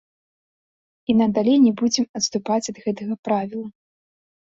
І надалей не будзем адступаць ад гэтага правіла.